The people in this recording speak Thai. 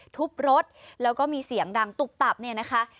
ทุบรถแล้วก็มีเสียงดังตุบนะคะ